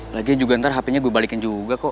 lagian juga ntar hpnya gue balikin juga kok